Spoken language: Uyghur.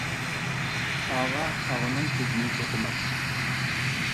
قاغا قاغىنىڭ كۆزىنى چوقۇماس.